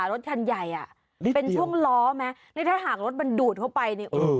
รถคันใหญ่เป็นช่วงล้อไหมถ้าหากรถมันดูดเข้าไป